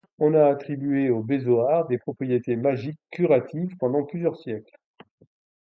On a attribué aux bézoards des propriétés magiques curatives pendant plusieurs siècles.